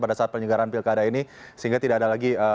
pada saat penyelenggaraan pilkada ini sehingga tidak ada lagi